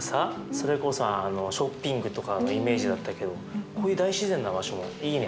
それこそショッピングとかがイメージだったけどこういう大自然な場所もいいね。